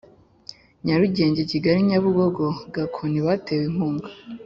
Nyarugenge Kigali Nyabugogo Gakoni batewe inkunga